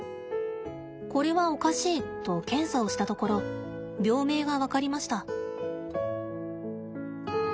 「これはおかしい！」と検査をしたところ病名が分かりました。